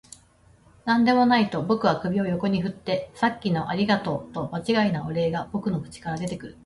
「何でもない」と僕は首を横に振って、「さっきのありがとう」と場違いなお礼が僕の口から出てくる